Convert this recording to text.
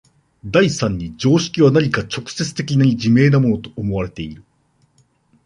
第三に常識は何か直接的に自明なものと思われている。